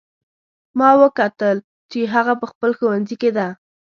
ما وکتل چې هغه په خپل ښوونځي کې ده